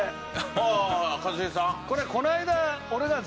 ああ一茂さん？